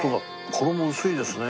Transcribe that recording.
衣薄いですね。